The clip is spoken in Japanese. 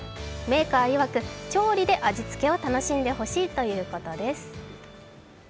メーカーいわく、調理で味付けを楽しんでほしいとのことです。